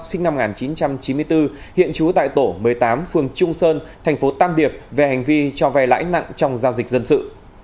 sinh năm một nghìn chín trăm chín mươi bốn hiện trú tại tổ một mươi tám phường trung sơn thành phố tam điệp về hành vi cho vay lãi nặng trong giao dịch dân sự